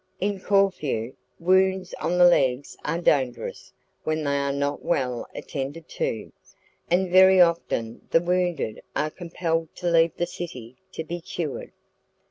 In Corfu, wounds on the legs are dangerous when they are not well attended to, and very often the wounded are compelled to leave the city to be cured.